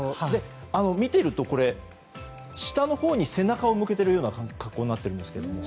見ていると下のほうに背中を向けているような格好になっているんですけど。